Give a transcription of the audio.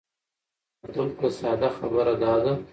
نو دلته ساده خبره دا ده